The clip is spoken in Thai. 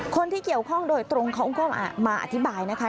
คนที่เกี่ยวข้องโดยตรงเขาก็มาอธิบายนะคะ